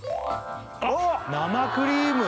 あっ生クリーム？